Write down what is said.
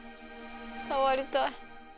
触りたい。